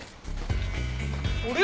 あれ？